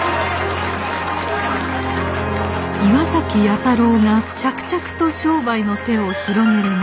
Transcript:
岩崎弥太郎が着々と商売の手を広げる中。